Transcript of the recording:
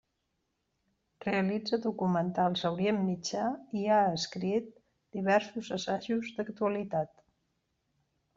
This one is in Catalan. Realitza documentals a Orient Mitjà i ha escrit diversos assajos d'actualitat.